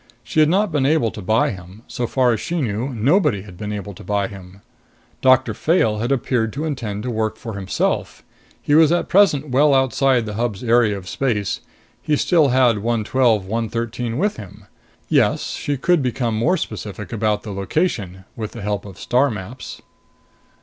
She had not been able to buy him. So far as she knew, nobody had been able to buy him. Doctor Fayle had appeared to intend to work for himself. He was at present well outside the Hub's area of space. He still had 112 113 with him. Yes, she could become more specific about the location with the help of star maps.